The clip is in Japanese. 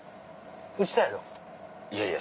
打ちたいやろ？